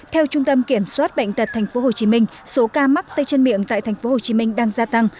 theo trung tâm kiểm soát bệnh tật tp hcm số ca mắc tay chân miệng tại tp hcm đang gia tăng